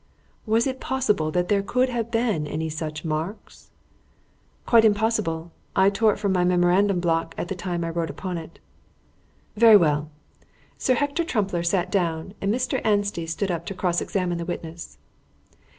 "Was it possible that there could have been any such marks?" "Quite impossible. I tore it from my memorandum block at the time I wrote upon it." "Very well." Sir Hector Trumpler sat down, and Mr. Anstey stood up to cross examine the witness.